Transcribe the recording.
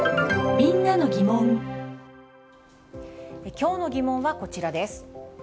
きょうの疑問はこちらです。